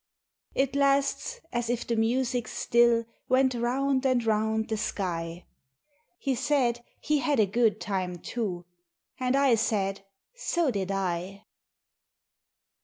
It lasts as if the Music still Went round and round the sky. He said he had a good time, too; And I said, So did I!